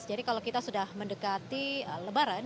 jadi kalau kita sudah mendekati lebaran